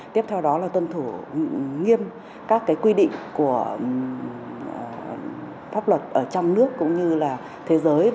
tiếp theo đó là tuân thủ nghiêm các quy định của pháp luật ở trong nước cũng như là thế giới